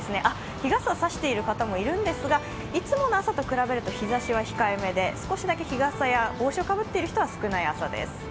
日傘を差している方もいるんですが、いつもの朝と比べて日ざしは控えめで帽子をかぶっている人は少ない朝です。